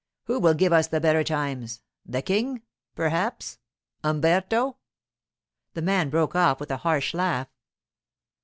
Who will give us the better times? The King, perhaps? Umberto?' The man broke off with a harsh laugh.